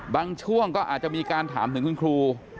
บางช่วงก็อาจจะมีการถามถึงคุณครู